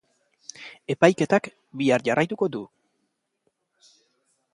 Epaiketak bihar jarraituko du.